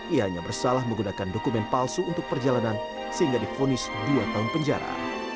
ianya bersalah menggunakan dokumen palsu untuk perjalanan sehingga difonis dua tahun penjara